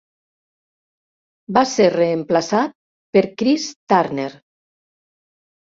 Va ser reemplaçat per Chris Turner.